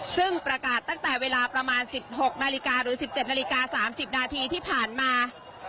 ซึ่งประกาศตั้งแต่เวลาประมาณสิบหกนาฬิกาหรือสิบเจ็ดนาฬิกาสามสิบนาทีที่ผ่านมา